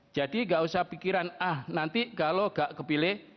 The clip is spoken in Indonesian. jadi gak usah pikiran ah nanti kalau gak kepilih